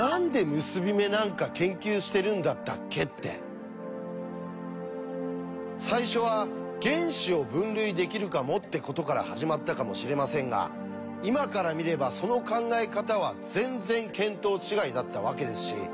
そもそも最初は原子を分類できるかもってことから始まったかもしれませんが今から見ればその考え方は全然見当違いだったわけですし。